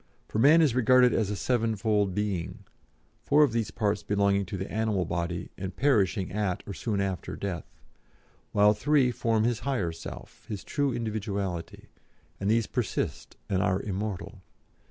For man is regarded as a sevenfold being, four of these parts belonging to the animal body, and perishing at, or soon after, death; while three form his higher self, his true individuality, and these persist and are immortal.